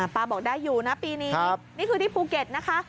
ป้าบอกได้อยู่นะปีนี้นี่คือที่ภูเก็ตนะคะ